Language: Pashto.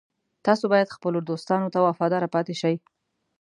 تاسو باید خپلو دوستانو ته وفادار پاتې شئ